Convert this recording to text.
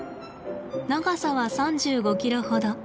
長さは３５キロほど。